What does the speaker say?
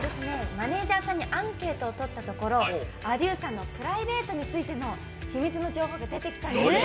マネージャーさんにアンケートをとったところａｄｉｅｕさんのプライベートについてのヒミツの情報が出てきたんですね。